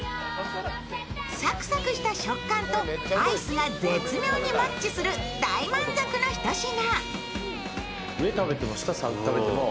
サクサクした食感とアイスが絶妙にマッチする大満足な一品。